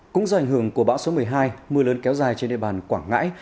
cũng do ảnh hưởng của bão số một mươi hai mưa lớn kéo dài trên địa bàn quảng ngãi